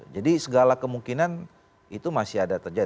jadi segala kemungkinan itu masih ada terjadi